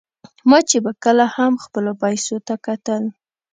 ما چې به کله هم خپلو پیسو ته کتل.